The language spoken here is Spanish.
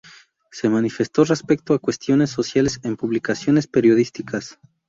Se manifestó respecto a cuestiones sociales en publicaciones periodísticas.